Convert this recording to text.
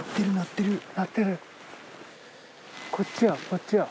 こっちや！